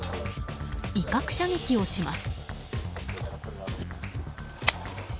威嚇射撃をします。